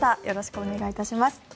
よろしくお願いします。